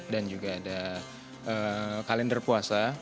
dan juga ada kalender puasa